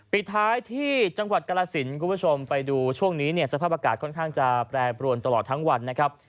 ปิดท้ายที่จังหวัดกรสินคุณผู้ชมไปดูช่วงนี้เนี่ยสภาพอากาศค่อนข้างจะแปรปรวนตลอดทั้งวันนะครับ